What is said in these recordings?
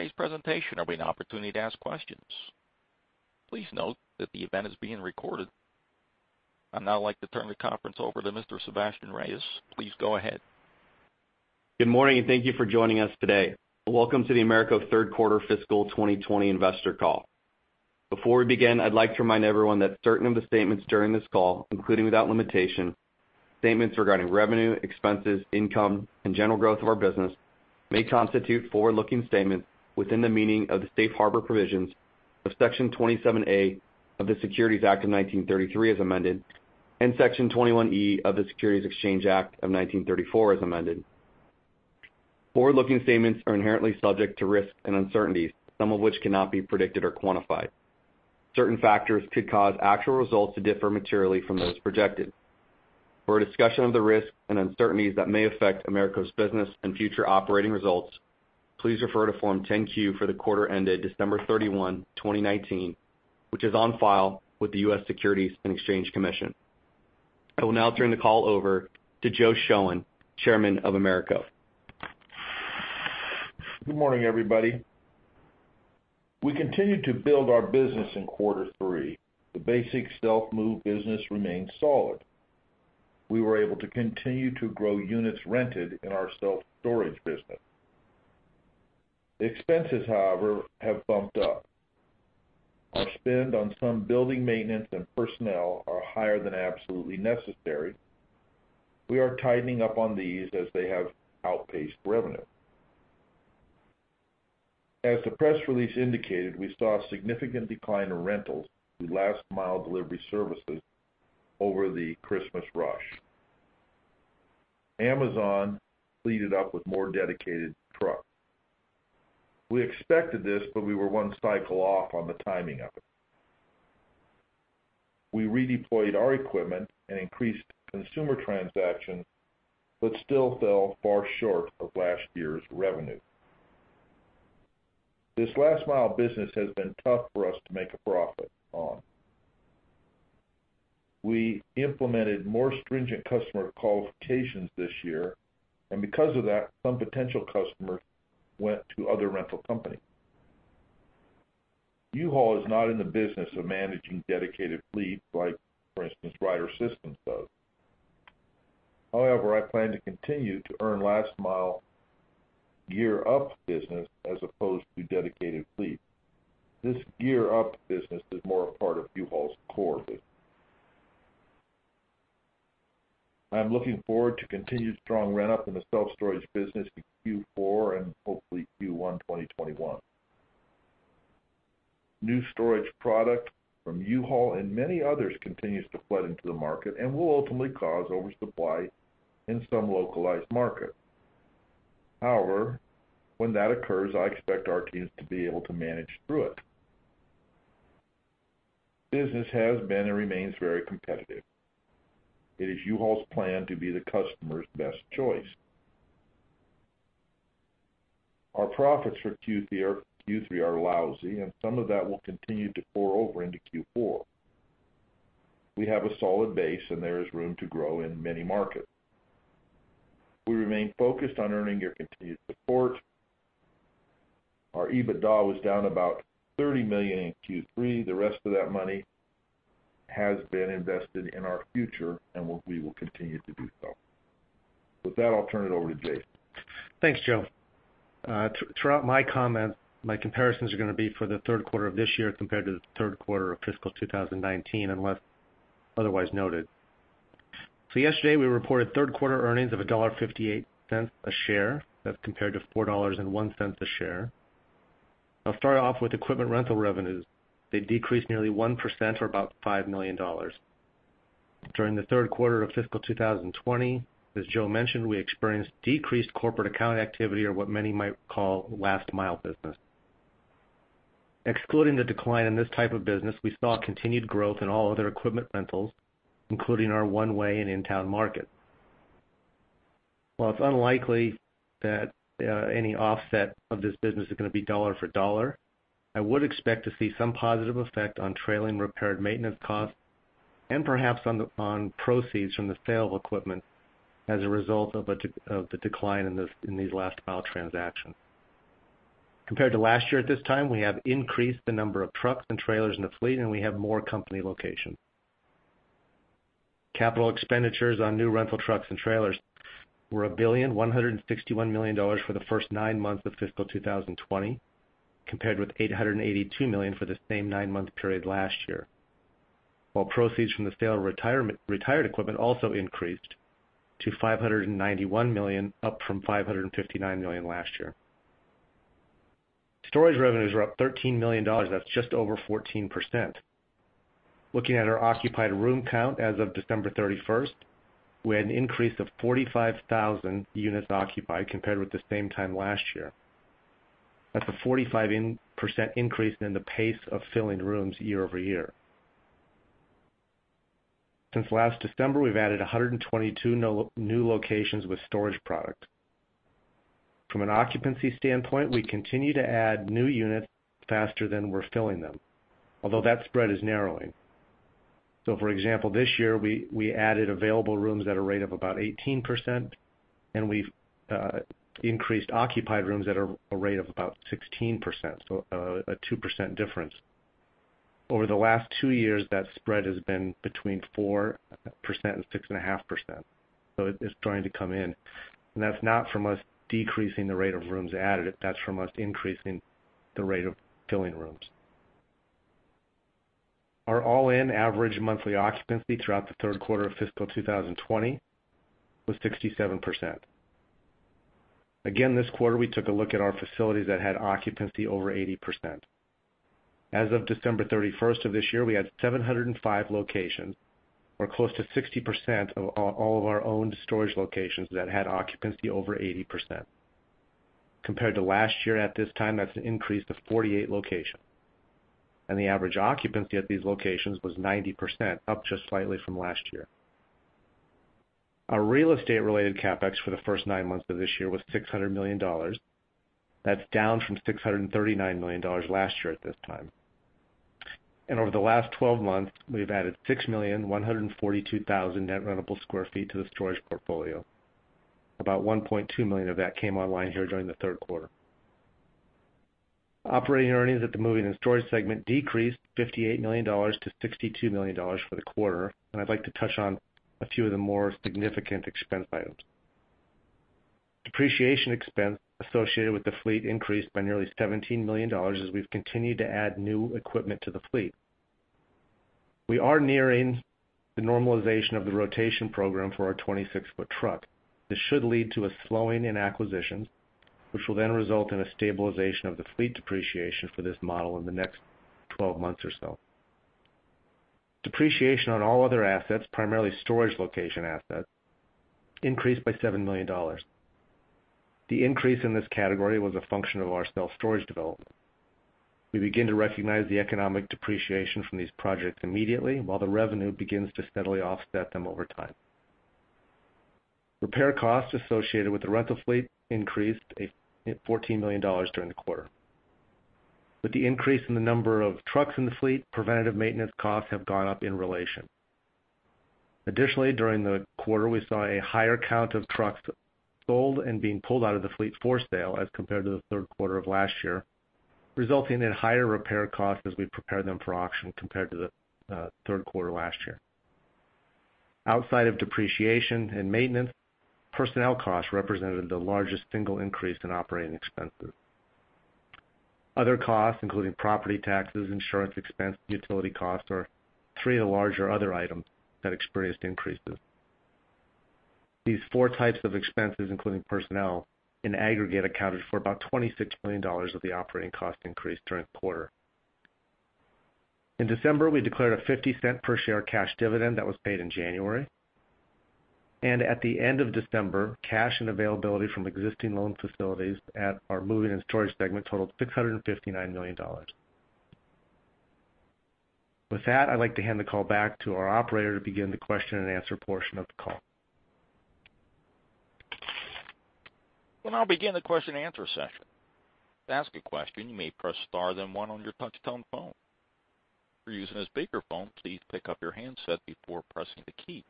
After today's presentation, there will be an opportunity to ask questions. Please note that the event is being recorded. I'd now like to turn the conference over to Mr. Sebastien Reyes. Please go ahead. Good morning, and thank you for joining us today. Welcome to the AMERCO Third Quarter Fiscal 2020 Investor Call. Before we begin, I'd like to remind everyone that certain of the statements during this call, including without limitation, statements regarding revenue, expenses, income, and general growth of our business, may constitute forward-looking statements within the meaning of the safe harbor provisions of Section 27A of the Securities Act of 1933, as amended, and Section 21E of the Securities Exchange Act of 1934, as amended. Forward-looking statements are inherently subject to risks and uncertainties, some of which cannot be predicted or quantified. Certain factors could cause actual results to differ materially from those projected. For a discussion of the risks and uncertainties that may affect AMERCO's business and future operating results, please refer to Form 10-Q for the quarter ended December 31, 2019, which is on file with the U.S. Securities and Exchange Commission. I will now turn the call over to Joe Shoen, Chairman of AMERCO. Good morning, everybody. We continued to build our business in quarter three. The basic self-move business remained solid. We were able to continue to grow units rented in our self-storage business. Expenses, however, have bumped up. Our spend on some building maintenance and personnel are higher than absolutely necessary. We are tightening up on these as they have outpaced revenue. As the press release indicated, we saw a significant decline in rentals with last mile delivery services over the Christmas rush. Amazon fleeted up with more dedicated trucks. We expected this, but we were one cycle off on the timing of it. We redeployed our equipment and increased consumer transactions, but still fell far short of last year's revenue. This last mile business has been tough for us to make a profit on. We implemented more stringent customer qualifications this year, and because of that, some potential customers went to other rental companies. U-Haul is not in the business of managing dedicated fleet, like, for instance, Ryder System does. However, I plan to continue to earn last mile gear up business as opposed to dedicated fleet. This gear up business is more a part of U-Haul's core business. I'm looking forward to continued strong ramp-up in the self-storage business in Q4 and hopefully Q1 2021. New storage product from U-Haul and many others continues to flood into the market and will ultimately cause oversupply in some localized markets. However, when that occurs, I expect our teams to be able to manage through it. Business has been and remains very competitive. It is U-Haul's plan to be the customer's best choice. Our profits for Q3 are lousy, and some of that will continue to pour over into Q4. We have a solid base, and there is room to grow in many markets. We remain focused on earning your continued support. Our EBITDA was down about $30 million in Q3. The rest of that money has been invested in our future, and we will continue to do so. With that, I'll turn it over to Jason. Thanks, Joe. Throughout my comments, my comparisons are going to be for the third quarter of this year compared to the third quarter of fiscal 2019, unless otherwise noted. So yesterday, we reported third-quarter earnings of $1.58 a share. That's compared to $4.01 a share. I'll start off with equipment rental revenues. They decreased nearly 1%, or about $5 million. During the third quarter of Fiscal 2020, as Joe mentioned, we experienced decreased corporate account activity, or what many might call last mile business. Excluding the decline in this type of business, we saw continued growth in all other equipment rentals, including our one-way and in-town market. While it's unlikely that any offset of this business is going to be dollar for dollar, I would expect to see some positive effect on trailing repair and maintenance costs and perhaps on proceeds from the sale of equipment as a result of the decline in these last-mile transactions. Compared to last year at this time, we have increased the number of trucks and trailers in the fleet, and we have more company locations. Capital expenditures on new rental trucks and trailers were $1.161 billion for the first nine months of fiscal 2020, compared with $882 million for the same nine-month period last year, while proceeds from the sale of retired equipment also increased to $591 million, up from $559 million last year. Storage revenues were up $13 million. That's just over 14%. Looking at our occupied room count as of December 31st, we had an increase of 45,000 units occupied compared with the same time last year. That's a 45% increase in the pace of filling rooms year over year. Since last December, we've added 122 new locations with storage product. From an occupancy standpoint, we continue to add new units faster than we're filling them, although that spread is narrowing. For example, this year, we added available rooms at a rate of about 18%, and we've increased occupied rooms at a rate of about 16%, so a 2% difference. Over the last two years, that spread has been between 4% and 6.5%, so it is starting to come in, and that's not from us decreasing the rate of rooms added. That's from us increasing the rate of filling rooms. Our all-in average monthly occupancy throughout the third quarter of fiscal 2020 was 67%. Again, this quarter, we took a look at our facilities that had occupancy over 80%. As of December 31st of this year, we had 705 locations, or close to 60% of all of our owned storage locations that had occupancy over 80%. Compared to last year at this time, that's an increase of 48 locations. The average occupancy at these locations was 90%, up just slightly from last year. Our real estate-related CapEx for the first nine months of this year was $600 million. That's down from $639 million last year at this time. Over the last twelve months, we've added 6,142,000 net rentable sq ft to the storage portfolio. About 1.2 million of that came online here during the third quarter. Operating earnings at the Moving and Storage segment decreased $58 million-$62 million for the quarter, and I'd like to touch on a few of the more significant expense items. Depreciation expense associated with the fleet increased by nearly $17 million as we've continued to add new equipment to the fleet. We are nearing the normalization of the rotation program for our 26 ft truck. This should lead to a slowing in acquisitions, which will then result in a stabilization of the fleet depreciation for this model in the next 12 months or so. Depreciation on all other assets, primarily storage location assets, increased by $7 million. The increase in this category was a function of our self-storage development. We begin to recognize the economic depreciation from these projects immediately, while the revenue begins to steadily offset them over time. Repair costs associated with the rental fleet increased $14 million during the quarter. With the increase in the number of trucks in the fleet, preventative maintenance costs have gone up in relation. Additionally, during the quarter, we saw a higher count of trucks sold and being pulled out of the fleet for sale as compared to the third quarter of last year, resulting in higher repair costs as we prepare them for auction compared to the third quarter last year. Outside of depreciation and maintenance, personnel costs represented the largest single increase in operating expenses. Other costs, including property taxes, insurance expense, utility costs, are three of the larger other items that experienced increases. These four types of expenses, including personnel, in aggregate, accounted for about $26 million of the operating cost increase during the quarter. In December, we declared a $0.50 per share cash dividend that was paid in January. And at the end of December, cash and availability from existing loan facilities at our Moving and Storage segment totaled $659 million. With that, I'd like to hand the call back to our operator to begin the question-and-answer portion of the call. We'll now begin the question-and-answer session. To ask a question, you may press star then one on your touch-tone phone. If you're using a speakerphone, please pick up your handset before pressing the keys.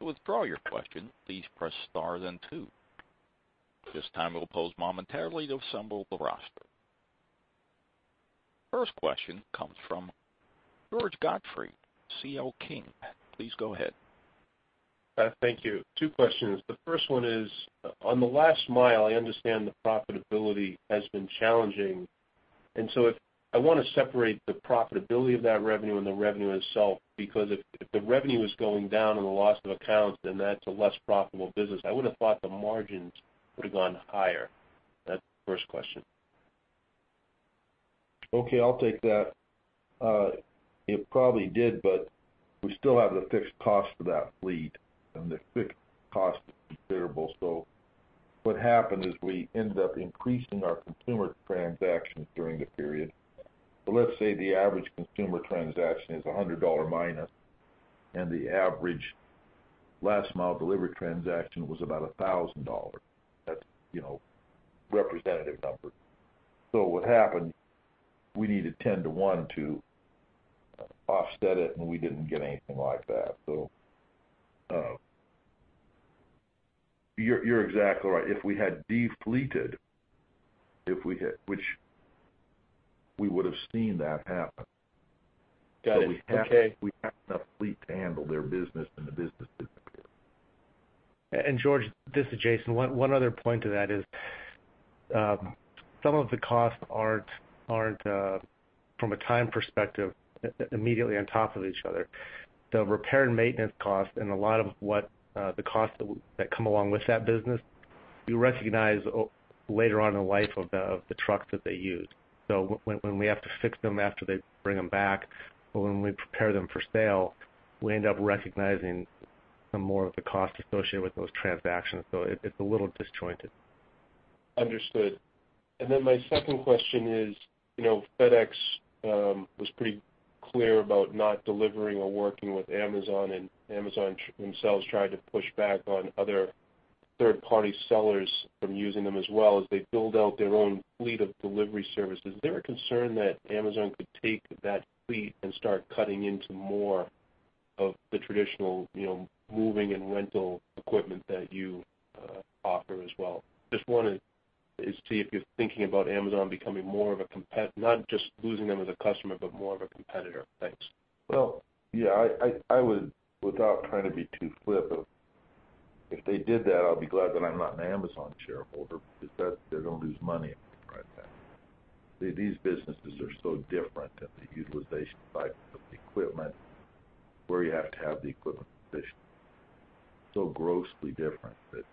To withdraw your question, please press star then two. At this time, we'll pause momentarily to assemble the roster. First question comes from George Godfrey, CL King. Please go ahead. Thank you. Two questions. The first one is, on the last mile, I understand the profitability has been challenging, and so, I want to separate the profitability of that revenue and the revenue itself, because if the revenue is going down and the loss of accounts, then that's a less profitable business. I would have thought the margins would have gone higher. That's the first question. Okay, I'll take that. It probably did, but we still have the fixed cost of that fleet and the fixed cost is considerable. So what happened is we ended up increasing our consumer transactions during the period. So let's say the average consumer transaction is $100 minus, and the average last mile delivery transaction was about $1,000. That's, you know, representative number. So what happened, we needed 10-1 to offset it, and we didn't get anything like that. So you're exactly right. If we had de-fleeted, if we had. Which we would have seen that happen. Got it. Okay. But we have enough fleet to handle their business, and the business didn't fail. George, this is Jason. One other point to that is, some of the costs aren't from a time perspective immediately on top of each other. The repair and maintenance costs and a lot of what the costs that come along with that business, we recognize later on in the life of the trucks that they use. So when we have to fix them after they bring them back, or when we prepare them for sale, we end up recognizing some more of the costs associated with those transactions. So it's a little disjointed. Understood. And then my second question is: You know, FedEx was pretty clear about not delivering or working with Amazon, and Amazon themselves tried to push back on third-party sellers from using them as well as they build out their own fleet of delivery services. Is there a concern that Amazon could take that fleet and start cutting into more of the traditional, you know, moving and rental equipment that you offer as well? Just wanted to see if you're thinking about Amazon becoming more of a competitor, not just losing them as a customer, but more of a competitor. Thanks. Yeah, I would, without trying to be too flip, if they did that, I'll be glad that I'm not an Amazon shareholder because that they're going to lose money right now. These businesses are so different in the utilization life of the equipment, where you have to have the equipment efficient, so grossly different that.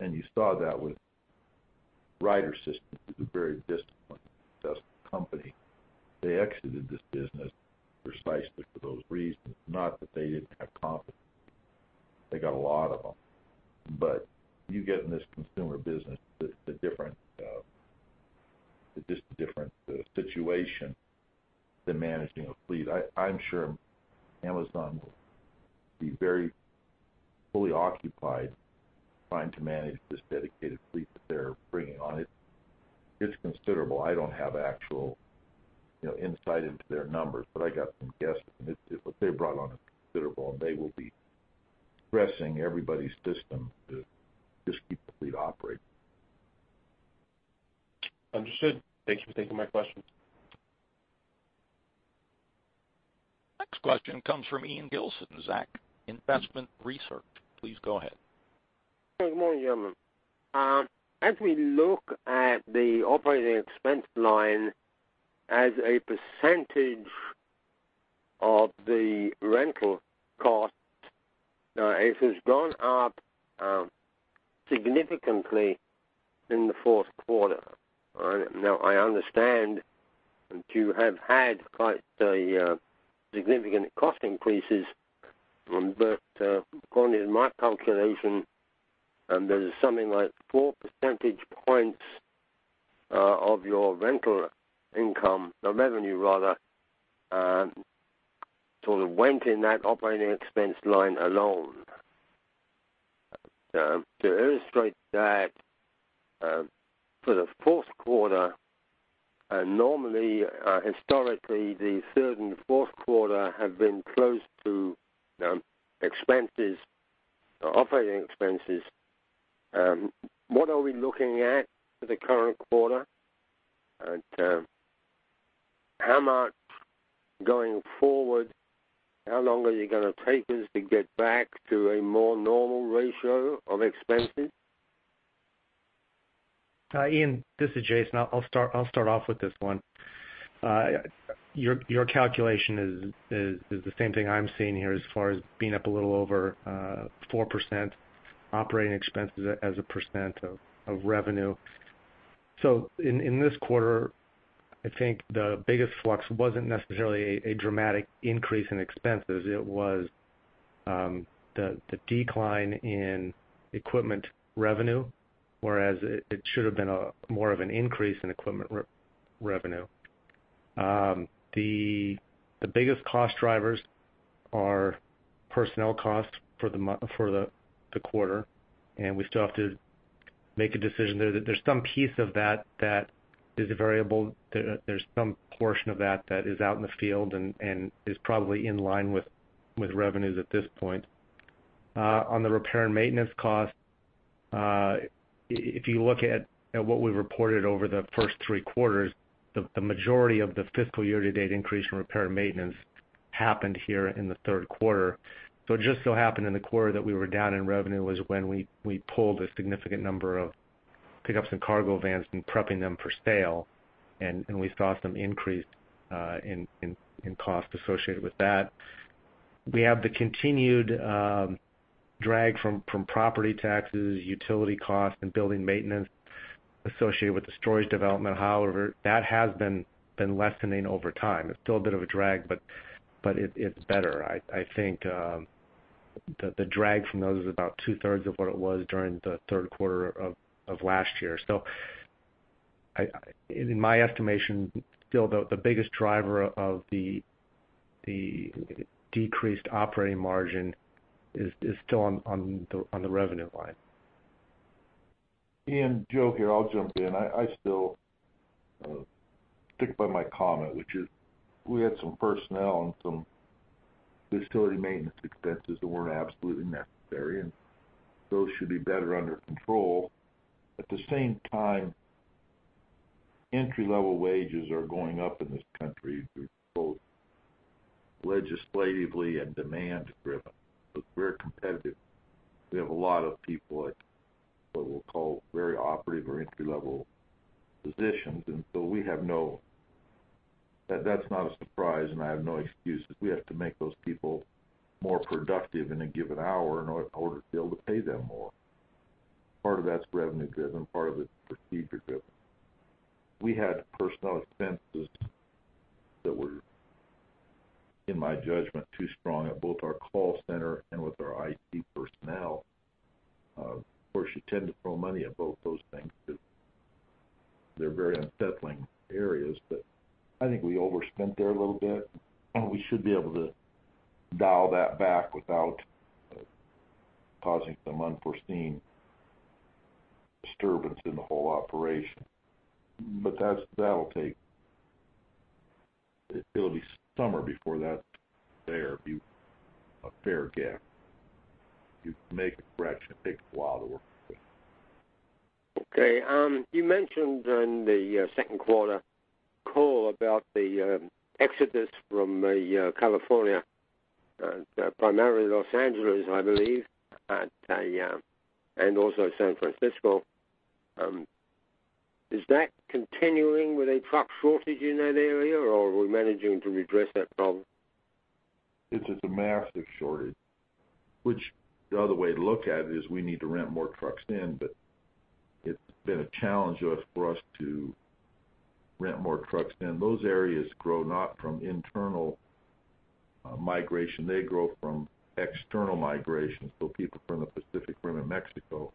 And you saw that with Ryder System, which is a very disciplined, successful company. They exited this business precisely for those reasons. Not that they didn't have confidence. They got a lot of them. But you get in this consumer business, the different, just different, situation than managing a fleet. I'm sure Amazon will be very fully occupied trying to manage this dedicated fleet that they're bringing on. It's considerable. I don't have actual, you know, insight into their numbers, but I got some guessing. What they brought on is considerable, and they will be stressing everybody's system to just keep the fleet operating. Understood. Thank you for taking my question. Next question comes from Ian Gilson, Zacks Investment Research. Please go ahead. Good morning, gentlemen. As we look at the operating expense line as a percentage of the rental cost, it has gone up significantly in the fourth quarter. All right? Now, I understand that you have had quite a significant cost increases, but according to my calculation, and there's something like four percentage points of your rental income, the revenue rather, sort of went in that operating expense line alone. To illustrate that, for the fourth quarter, and normally historically, the third and fourth quarter have been close to expenses, operating expenses, what are we looking at for the current quarter? And how much going forward, how long are you going to take us to get back to a more normal ratio of expenses? Ian, this is Jason. I'll start off with this one. Your calculation is the same thing I'm seeing here as far as being up a little over 4%, operating expenses as a percent of revenue. So in this quarter, I think the biggest flux wasn't necessarily a dramatic increase in expenses, it was the decline in equipment revenue, whereas it should have been more of an increase in equipment revenue. The biggest cost drivers are personnel costs for the quarter, and we still have to make a decision there. There's some piece of that that is a variable, there's some portion of that that is out in the field and is probably in line with revenues at this point. On the repair and maintenance cost, if you look at what we reported over the first three quarters, the majority of the fiscal year-to-date increase in repair and maintenance happened here in the third quarter. So it just so happened in the quarter that we were down in revenue was when we pulled a significant number of pickups and cargo vans and prepping them for sale, and we saw some increase in cost associated with that. We have the continued drag from property taxes, utility costs, and building maintenance associated with the storage development. However, that has been lessening over time. It's still a bit of a drag, but it, it's better. I think the drag from those is about two-thirds of what it was during the third quarter of last year. In my estimation, the biggest driver of the decreased operating margin is still on the revenue line. Ian, Joe here, I'll jump in. I still stick by my comment, which is we had some personnel and some utility maintenance expenses that weren't absolutely necessary, and those should be better under control. At the same time, entry-level wages are going up in this country, both legislatively and demand-driven. We're competitive. We have a lot of people at what we'll call very operative or entry-level positions, and so we have no. That's not a surprise, and I have no excuses. We have to make those people more productive in a given hour in order to be able to pay them more. Part of that's revenue driven, part of it is procedure driven. We had personnel expenses that were, in my judgment, too strong at both our call center and with our IT personnel. Of course, you tend to throw money at both those things to. They're very unsettling areas, but I think we overspent there a little bit, and we should be able to dial that back without causing some unforeseen disturbance in the whole operation. But that'll take. It'll be summer before that's there. Be a fair gap. You make a correction, it takes a while to work. Okay, you mentioned on the second quarter call about the exodus from California, primarily Los Angeles, I believe, and also San Francisco. Is that continuing with a truck shortage in that area, or are we managing to redress that problem? It's just a massive shortage, which the other way to look at it is we need to rent more trucks in, but it's been a challenge just for us to rent more trucks in. Those areas grow not from internal migration, they grow from external migration, so people from the Pacific Rim and Mexico.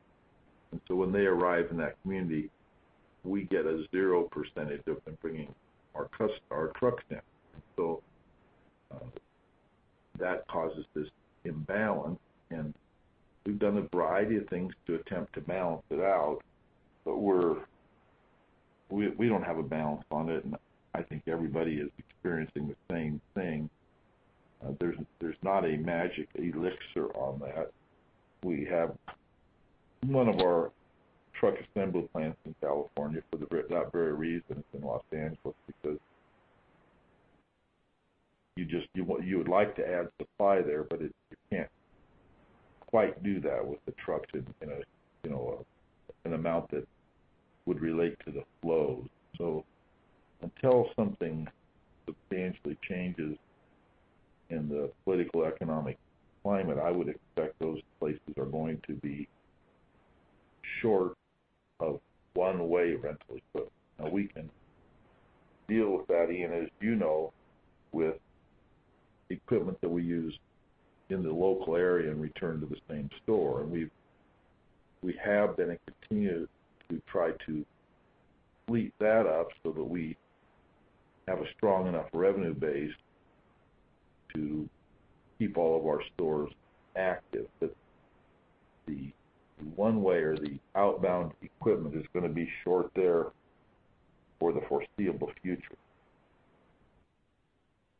And so when they arrive in that community, we get a 0% of them bringing our trucks in. So, that causes this imbalance, and we've done a variety of things to attempt to balance it out, but we don't have a balance on it, and I think everybody is experiencing the same thing. There's not a magic elixir on that. We have none of our truck assembly plants in California for that very reason. It's in Los Angeles because you just you would like to add supply there, but you can't quite do that with the trucks in a you know an amount that would relate to the flows. So until something substantially changes in the political economic climate, I would expect those places are going to be short of one-way rental equipment. Now, we can deal with that, Ian, as you know, with equipment that we use in the local area and return to the same store. And we've been and continue to try to fleet that up so that we have a strong enough revenue base to keep all of our stores active. But the one way or the outbound equipment is gonna be short there for the foreseeable future.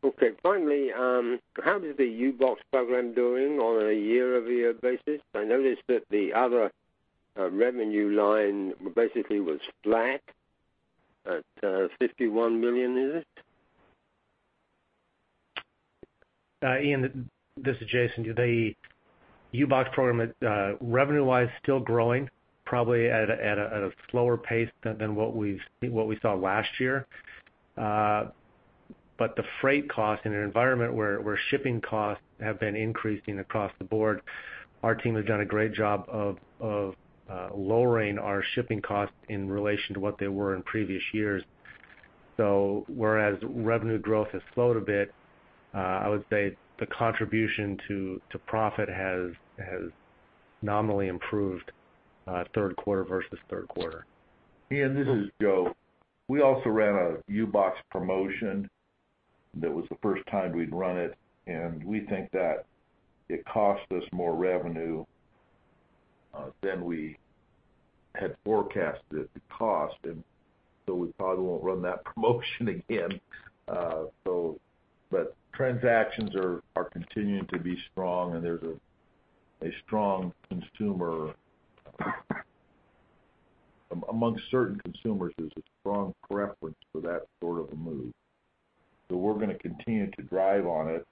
Okay, finally, how is the U-Box program doing on a year-over-year basis? I noticed that the other revenue line basically was flat at $51 million, is it? Ian, this is Jason. The U-Box program is revenue-wise still growing, probably at a slower pace than what we saw last year. But the freight costs in an environment where shipping costs have been increasing across the board, our team has done a great job of lowering our shipping costs in relation to what they were in previous years. So whereas revenue growth has slowed a bit, I would say the contribution to profit has nominally improved third quarter versus third quarter. Ian, this is Joe. We also ran a U-Box promotion that was the first time we'd run it, and we think that it cost us more revenue than we had forecasted it to cost, and so we probably won't run that promotion again. So but transactions are continuing to be strong, and there's a strong consumer, amongst certain consumers, there's a strong preference for that sort of a move. So we're gonna continue to drive on it,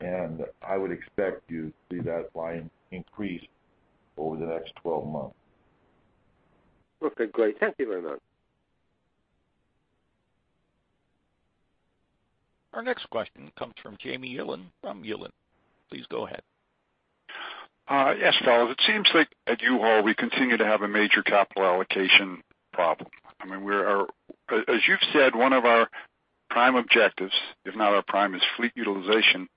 and I would expect you to see that line increase over the next 12 months. Okay, great. Thank you very much. Our next question comes from James Wilen from Wilen. Please go ahead. Yes, fellas. It seems like at U-Haul, we continue to have a major capital allocation problem. I mean, we are, as you've said, one of our prime objectives, if not our prime, is fleet utilization,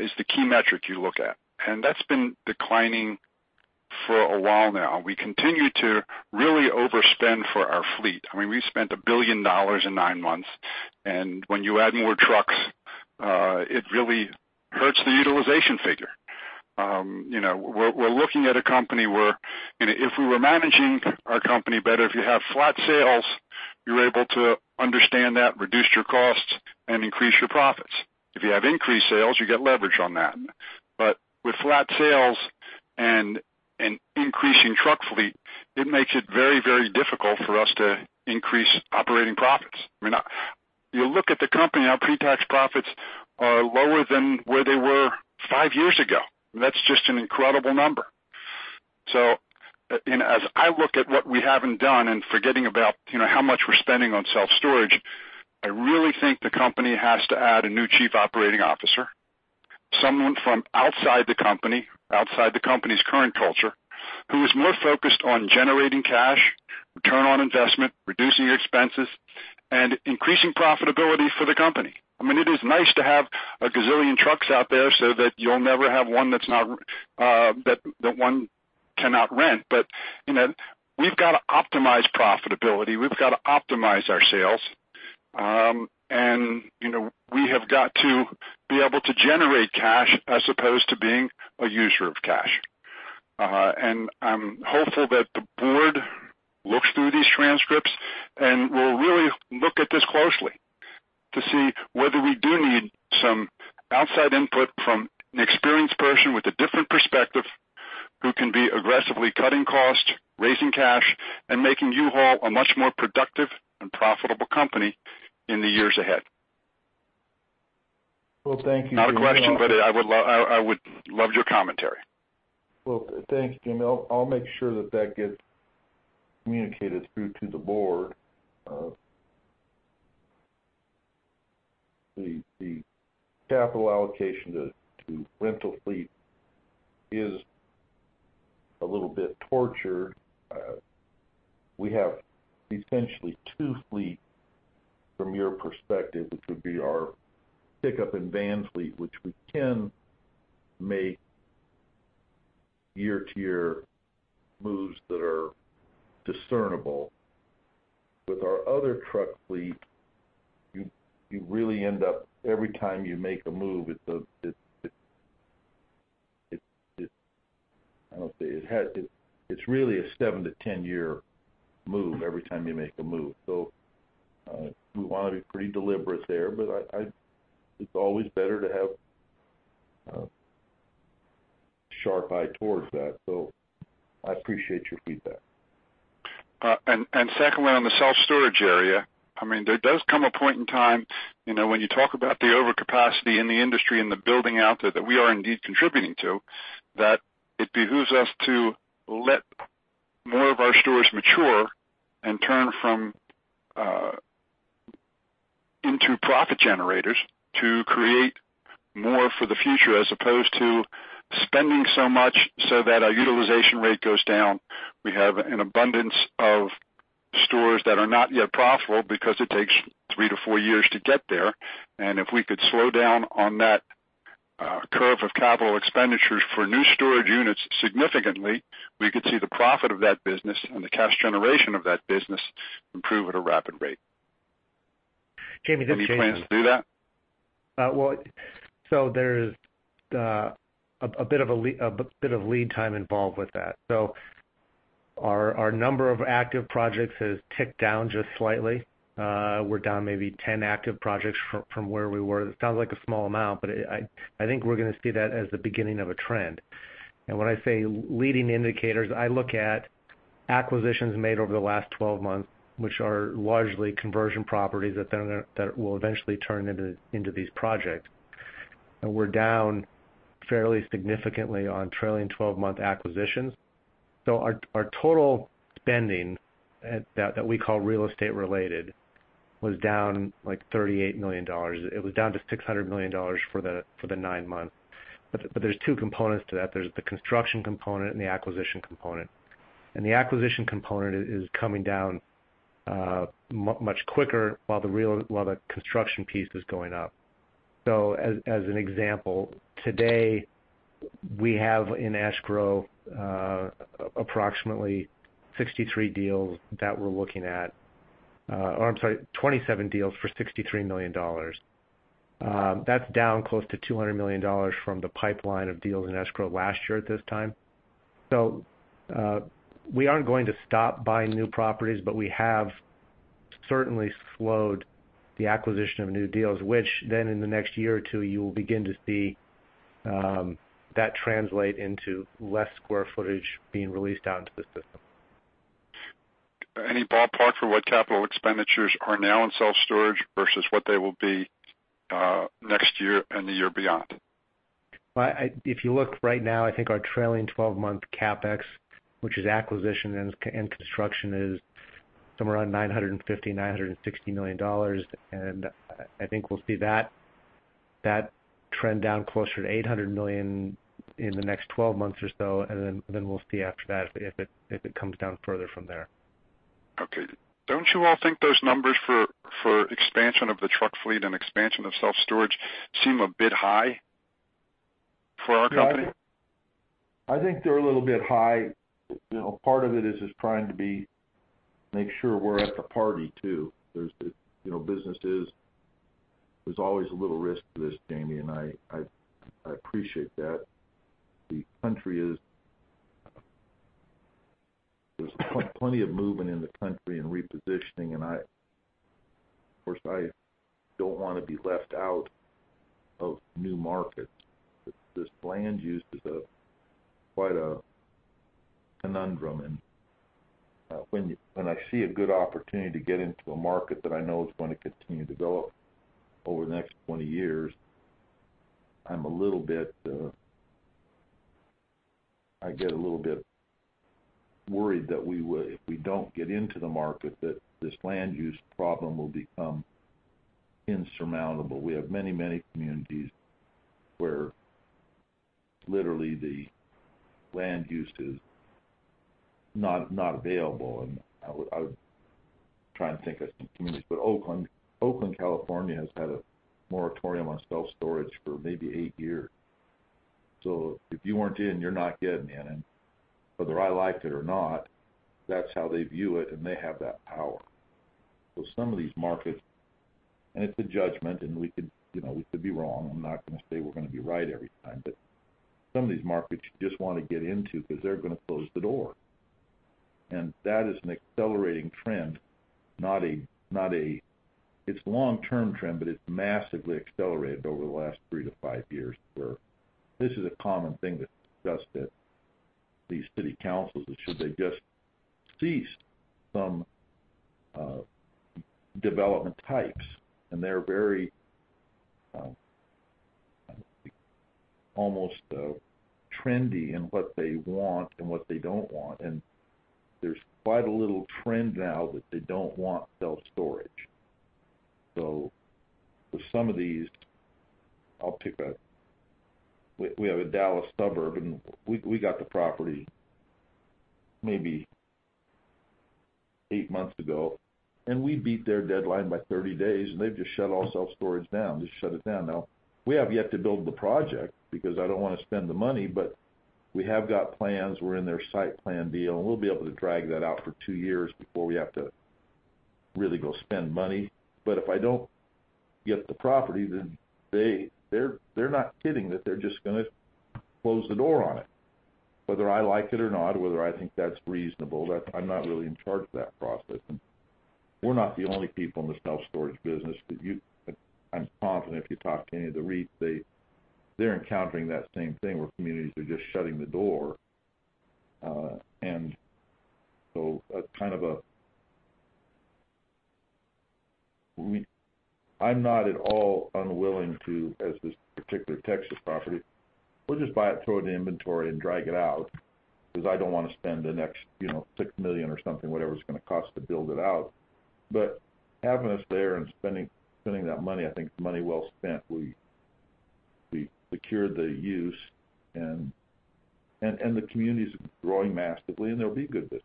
is the key metric you look at. And that's been declining for a while now. We continue to really overspend for our fleet. I mean, we spent $1 billion in nine months, and when you add more trucks, it really hurts the utilization figure. You know, we're looking at a company where, you know, if we were managing our company better, if you have flat sales, you're able to understand that, reduce your costs, and increase your profits. If you have increased sales, you get leverage on that. But with flat sales and increasing truck fleet, it makes it very, very difficult for us to increase operating profits. I mean, you look at the company, our pre-tax profits are lower than where they were five years ago, and that's just an incredible number. So, and as I look at what we haven't done and forgetting about, you know, how much we're spending on self-storage, I really think the company has to add a new chief operating officer, someone from outside the company, outside the company's current culture, who is more focused on generating cash, return on investment, reducing expenses, and increasing profitability for the company. I mean, it is nice to have a gazillion trucks out there so that you'll never have one that's not, that one cannot rent. But, you know, we've got to optimize profitability. We've got to optimize our sales, and, you know, we have got to be able to generate cash as opposed to being a user of cash. And I'm hopeful that the board looks through these transcripts, and will really look at this closely to see whether we do need some outside input from an experienced person with a different perspective, who can be aggressively cutting costs, raising cash, and making U-Haul a much more productive and profitable company in the years ahead. Well, thank you, Jamie. Not a question, but I would love your commentary. Thank you, Jamie. I'll make sure that that gets communicated through to the board. The capital allocation to rental fleet is a little bit tortured. We have essentially two fleets from your perspective, which would be our pickup and van fleet, which we can make year-to-year moves that are discernible. With our other truck fleet, you really end up every time you make a move, it's really a 7-10 year move every time you make a move. So, we want to be pretty deliberate there, but it's always better to have a sharp eye towards that. So I appreciate your feedback. Secondly, on the self-storage area, I mean, there does come a point in time, you know, when you talk about the overcapacity in the industry and the building out there that we are indeed contributing to, that it behooves us to let more of our stores mature and turn from into profit generators to create more for the future, as opposed to spending so much so that our utilization rate goes down. We have an abundance of stores that are not yet profitable because it takes three to four years to get there. And if we could slow down on that curve of capital expenditures for new storage units significantly, we could see the profit of that business and the cash generation of that business improve at a rapid rate. Jamie, this is- Any plans to do that? Well, so there's a bit of lead time involved with that. So our number of active projects has ticked down just slightly. We're down maybe 10 active projects from where we were. It sounds like a small amount, but I think we're gonna see that as the beginning of a trend. And when I say leading indicators, I look at acquisitions made over the last 12 months, which are largely conversion properties that then will eventually turn into these projects. And we're down fairly significantly on trailing 12-month acquisitions. So our total spending that we call real estate related was down, like, $38 million. It was down to $600 million for the 9 months. But there's two components to that. There's the construction component and the acquisition component. And the acquisition component is coming down much quicker, while the construction piece is going up. So as an example, today, we have in escrow approximately 63 deals that we're looking at, or I'm sorry, 27 deals for $63 million. That's down close to $200 million from the pipeline of deals in escrow last year at this time. So we aren't going to stop buying new properties, but we have certainly slowed the acquisition of new deals, which then in the next year or two, you will begin to see that translate into less square footage being released out into the system. Any ballpark for what capital expenditures are now in self-storage versus what they will be next year and the year beyond? If you look right now, I think our trailing twelve-month CapEx, which is acquisition and construction, is somewhere around $950-$960 million. And I think we'll see that trend down closer to $800 million in the next twelve months or so, and then we'll see after that, if it comes down further from there. Okay. Don't you all think those numbers for expansion of the truck fleet and expansion of self-storage seem a bit high for our company? I think they're a little bit high. You know, part of it is trying to make sure we're at the party, too. You know, business is, there's always a little risk to this, Jamie, and I appreciate that. The country is. There's plenty of movement in the country and repositioning, and I, of course, don't want to be left out of new markets. This land use is a quite a conundrum. And when I see a good opportunity to get into a market that I know is going to continue to develop over the next twenty years, I'm a little bit, I get a little bit worried that we would, if we don't get into the market, that this land use problem will become insurmountable. We have many, many communities where. Literally, the land use is not available, and I would try and think of some communities, but Oakland, California, has had a moratorium on self-storage for maybe eight years. So if you weren't in, you're not getting in. And whether I like it or not, that's how they view it, and they have that power. So some of these markets, and it's a judgment, and we could, you know, we could be wrong. I'm not gonna say we're gonna be right every time, but some of these markets you just wanna get into because they're gonna close the door. And that is an accelerating trend, not a. It's a long-term trend, but it's massively accelerated over the last three to five years, where this is a common thing that these city councils that should they just cease some development types, and they're very almost trendy in what they want and what they don't want. And there's quite a little trend now that they don't want self-storage. So for some of these, I'll pick a. We have a Dallas suburb, and we got the property maybe eight months ago, and we beat their deadline by thirty days, and they've just shut all self-storage down, just shut it down. Now, we have yet to build the project because I don't wanna spend the money, but we have got plans. We're in their site plan deal, and we'll be able to drag that out for two years before we have to really go spend money. But if I don't get the property, then they're not kidding that they're just gonna close the door on it. Whether I like it or not, whether I think that's reasonable, I'm not really in charge of that process. And we're not the only people in the self-storage business, but I'm confident if you talk to any of the REITs, they're encountering that same thing where communities are just shutting the door. And so that's kind of a... I'm not at all unwilling to, as this particular Texas property, we'll just buy it, throw it in the inventory, and drag it out, because I don't wanna spend the next, you know, $6 million or something, whatever it's gonna cost to build it out. But having us there and spending that money, I think is money well spent. We secured the use and the community is growing massively, and they'll be good with it.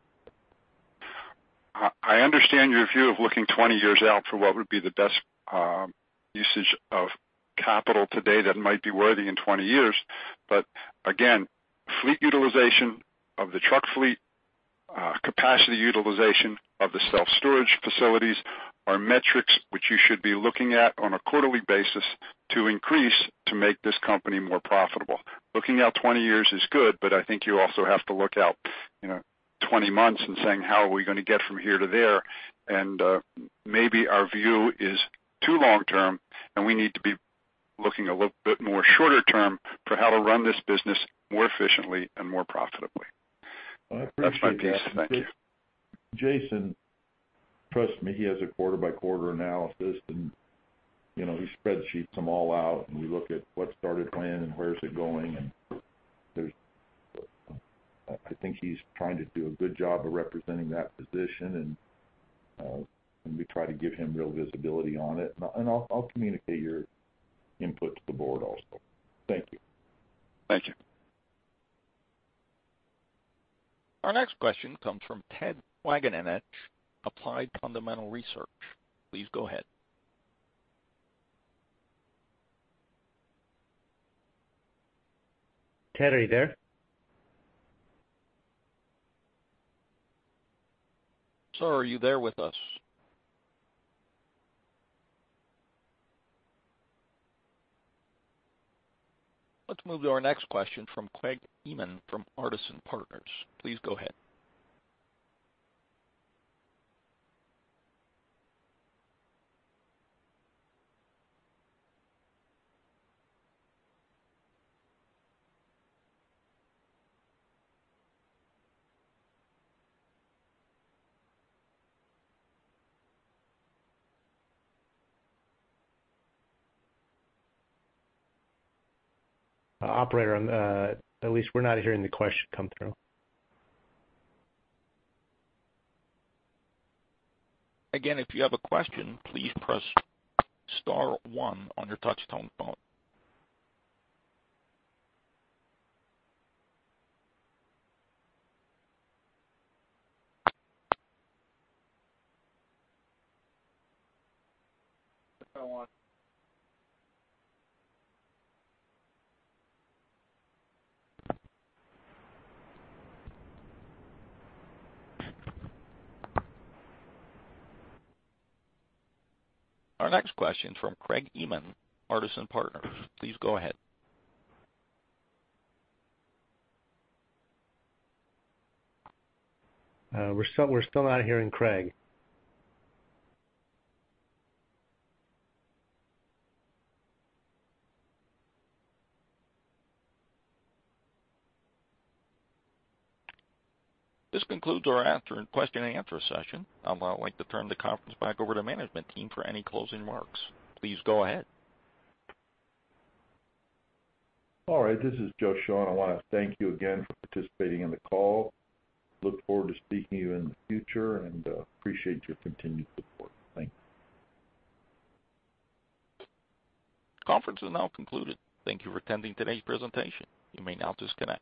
I understand your view of looking 20 out for what would be the best usage of capital today that might be worthy in twenty years. But again, fleet utilization of the truck fleet, capacity utilization of the self-storage facilities are metrics which you should be looking at on a quarterly basis to increase, to make this company more profitable. Looking out twenty years is good, but I think you also have to look out, you know, 20 months and saying: How are we gonna get from here to there? And, maybe our view is too long term, and we need to be looking a little bit more shorter term for how to run this business more efficiently and more profitably. I appreciate that. That's my piece. Thank you. Jason, trust me, he has a quarter-by-quarter analysis, and, you know, he spreadsheets them all out, and we look at what started when and where is it going. And there's, I think he's trying to do a good job of representing that position, and, and we try to give him real visibility on it. And I'll communicate your input to the board also. Thank you. Thank you. Our next question comes from Ted Wagenknecht, Applied Fundamental Research. Please go ahead. Ted, are you there? Sir, are you there with us? Let's move to our next question from Craig Inman from Artisan Partners. Please go ahead. Operator, at least we're not hearing the question come through. Again, if you have a question, please press star one on your touchtone phone. Our next question is from Craig Inman, Artisan Partners. Please go ahead. We're still not hearing Craig. This concludes our answer and question and answer session. I'd now like to turn the conference back over to management team for any closing remarks. Please go ahead. All right. This is Joe Shoen. I wanna thank you again for participating in the call. Look forward to speaking to you in the future, and appreciate your continued support. Thank you. Conference is now concluded. Thank you for attending today's presentation. You may now disconnect.